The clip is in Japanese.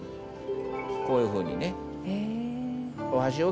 こういうふうにね。